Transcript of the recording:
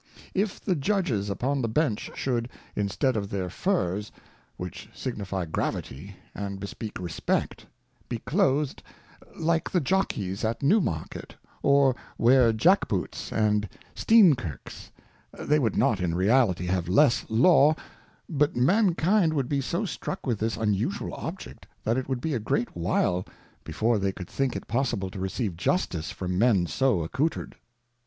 If the Judges upon the Bench should, instead of their Furrs, which signifie Gravity, and bespeak Respect, be Cloathed like the Jockeys at New Market, or wear Jack Boots and Steenkirks ; they would not in reality have less Law, but Mankind would be so struck with this unusual Object, that it would be a great while before they could think it possible to receive Justice from Men so Accouter'd.